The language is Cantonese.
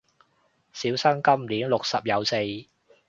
小生今年六十有四